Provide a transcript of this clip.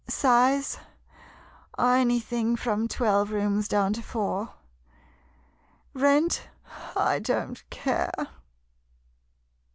Size? Anything from twelve rooms down to four. Rent? I don't care.